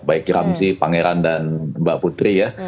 baik ramsy pangeran dan mbak putri ya